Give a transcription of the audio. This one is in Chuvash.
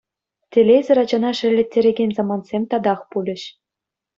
Телейсӗр ачана шеллеттерекен самантсем татах пулчӗҫ.